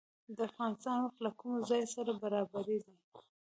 د افغانستان وخت له کوم ځای سره برابر دی؟